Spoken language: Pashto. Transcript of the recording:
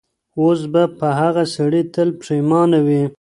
اوس به هغه سړی تل پښېمانه وي.